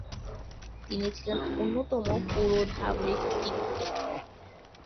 তিনি ছিলেন অন্যতম পুরোধা ব্যক্তিত্ব।